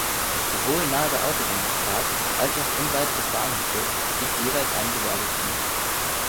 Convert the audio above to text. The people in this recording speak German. Sowohl nahe der Autobahnabfahrt als auch unweit des Bahnhofes liegt jeweils ein Gewerbegebiet.